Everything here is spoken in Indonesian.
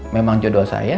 memang jodohnya itu ya